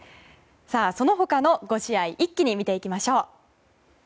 その他の５試合一気に見ていきましょう。